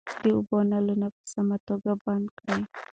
د اوبو نلونه په سمه توګه بند کړئ.